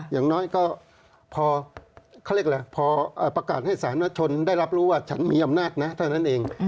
อย่างน้อยก็พอประกาศให้สานวชนได้รับรู้ว่าฉันมีอำนาจนะเท่านั้นเอง